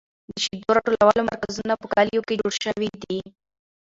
د شیدو راټولولو مرکزونه په کلیو کې جوړ شوي دي.